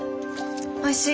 おいしい？